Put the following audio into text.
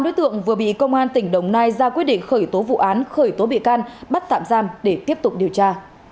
ba đối tượng vừa bị công an tỉnh đồng nai ra quyết định khởi tố vụ án khởi tố bị can bắt tạm giam để tiếp tục điều tra